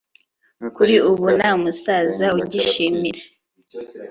kuri ubu nta musaza ugishimira